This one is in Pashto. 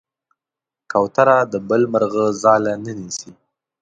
کوتره د بل مرغه ځاله نه نیسي.